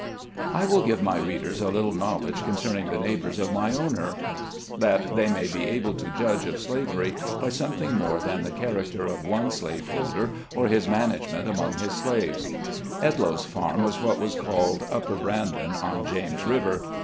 WILL give my readers a little knowledge concerning the neighbors of my owner, that they may be able to judge of slavery by something more than the character of one slaveholder, or his management among his slaves. Edloe's farm was what was called Upper Brandon, on James River.